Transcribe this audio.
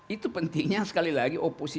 itu pentingnya sekali lagi oposisi